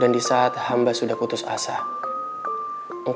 dan dia nggak bakal mandang sebelah mata seorang gulandari lagi